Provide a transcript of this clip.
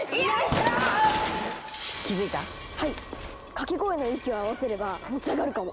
掛け声の息を合わせれば持ち上がるかも！